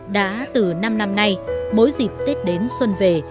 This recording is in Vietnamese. đã từ năm năm nay mỗi dịp tết đến xuân về